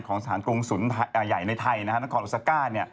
ของสถานกงศุนย์ใหญ่ในไทยและคอนโอซาก้า